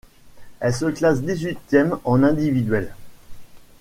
Elle se classe dix-huitième en individuel.